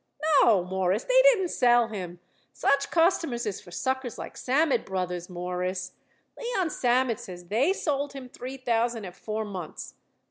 No, Mawruss, they didn't sell him. Such customers is for suckers like Sammet Brothers, Mawruss. Leon Sammet says they sold him three thousand at four months.